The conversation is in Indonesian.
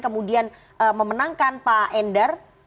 kemudian memenangkan pak endar